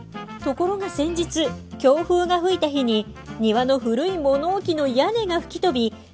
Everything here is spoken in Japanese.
ところが先日強風が吹いた日に庭の古い物置の屋根が吹き飛び